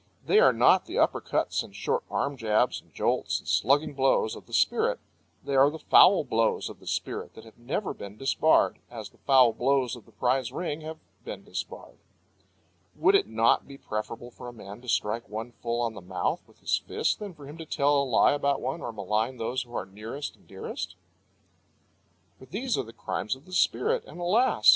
They are not the upper cuts and short arm jabs and jolts and slugging blows of the spirit. They are the foul blows of the spirit that have never been disbarred, as the foul blows of the prize ring have been disbarred. (Would it not be preferable for a man to strike one full on the mouth with his fist than for him to tell a lie about one, or malign those that are nearest and dearest?) For these are the crimes of the spirit, and, alas!